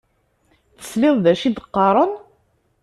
Tesliḍ d acu i d-qqaṛen?